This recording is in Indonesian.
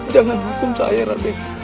jangan hukum saya raden